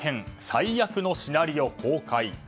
最悪のシナリオ公開。